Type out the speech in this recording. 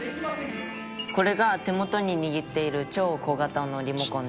「これが手元に握っている超小型のリモコンです」